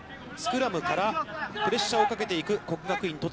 スクラムからプレッシャーをかけていく国学院